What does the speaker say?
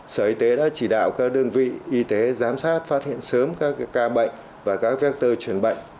sở y tế đã chỉ đạo các đơn vị y tế giám sát phát hiện sớm các ca bệnh và các vector truyền bệnh